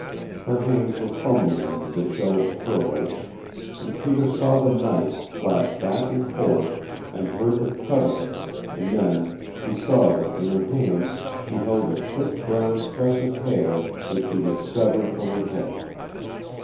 Her hands were fumbling in the disheveled curls, and Peter saw the knife flash back and forth, and heard the cut of it, and then he saw that in her hand she held a thick brown tress of hair that she had severed from her head.